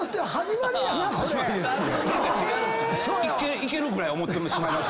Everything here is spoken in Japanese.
いける！ぐらい思ってしまいます。